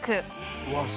うわっ！